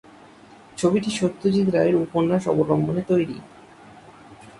ছবিটি সত্যজিৎ রায়ের উপন্যাস অবলম্বনে তৈরি।